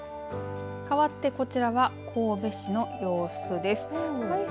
かわってこちらは神戸市の様子です。